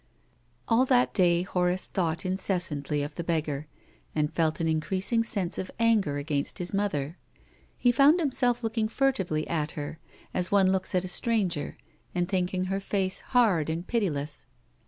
All that day Horace thought incessantly of the THE LADY AND THE BEGGAR. 355 beggar, and felt an increasing sense of anger against his mother. He found himself looking furtively at her, as one looks at a stranger, and thinking her face hard and pitiless.